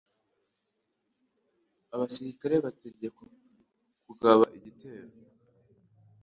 Abasirikare bategekwa kugaba igitero